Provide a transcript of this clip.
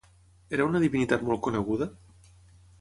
Era una divinitat molt coneguda?